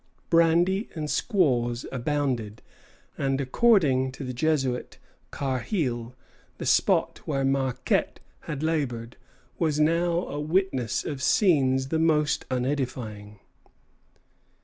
Brandy and squaws abounded, and according to the Jesuit Carheil, the spot where Marquette had labored was now a witness of scenes the most unedifying.